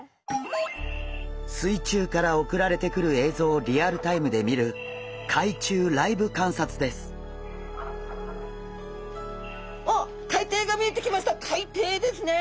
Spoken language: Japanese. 水中から送られてくる映像をリアルタイムで見る海底ですね。